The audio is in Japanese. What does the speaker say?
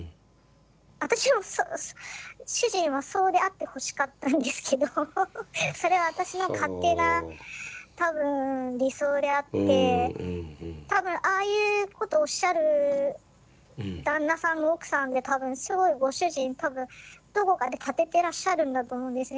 私も主人はそうであってほしかったんですけどそれは私の勝手な多分理想であって多分ああいうことをおっしゃる旦那さんの奥さんって多分すごい御主人多分どこかで立ててらっしゃるんだと思うんですね。